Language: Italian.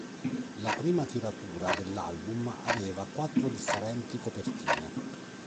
La prima tiratura dell'album aveva quattro differenti copertine.